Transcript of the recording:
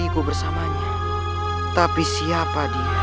aku melihat bayangan dia